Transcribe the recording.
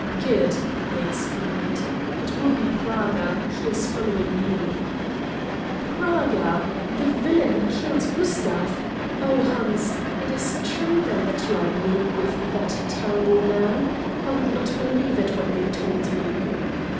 "Good!" I exclaimed. "It will be Praga. He is following me." "Praga! The villain who killed Gustav! Oh, Hans, it is true then that you are in league with that terrible man. I would not believe it when they told me."